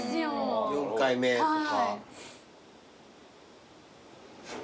４回目とか。